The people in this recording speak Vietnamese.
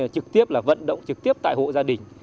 trực tiếp là vận động trực tiếp tại hộ gia đình